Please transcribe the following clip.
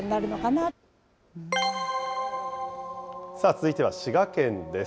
続いては滋賀県です。